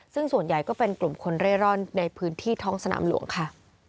ซึ่งส่วนใหญ่ก็เป็นกลุ่มคนเร่ร่อนในพื้นที่ท้องสนามหลวงค่ะ